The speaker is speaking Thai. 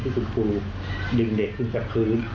ที่คุณครูดึงเด็กขึ้นแบบพื้น